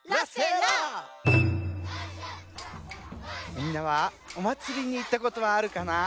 みんなはおまつりにいったことはあるかな？